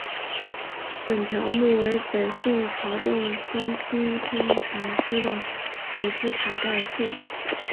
本条目为北宋曹洞宗心空禅师的祖师塔概述。